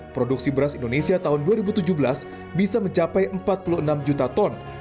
produksi beras indonesia tahun dua ribu tujuh belas bisa mencapai empat puluh enam juta ton